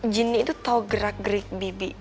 jin di itu tahu gerak gerik bibi